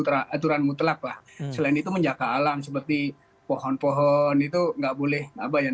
teraturan mutlak lah selain itu menjaga alam seperti pohon pohon itu nggak boleh apa yang